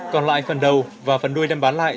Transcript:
còn lại phần đầu và phần đuôi đem bán lại